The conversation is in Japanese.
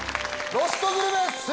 「ロストグルメ３」！